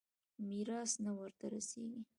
ميراث نه ورته رسېږي.